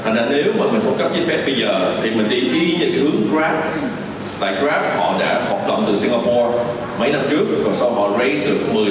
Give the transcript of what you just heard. nếu mà mình thuộc cấp dịch phép bây giờ